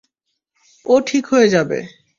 ও ঠিক হয়ে যাবে।